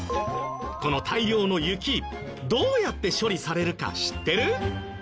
この大量の雪どうやって処理されるか知ってる？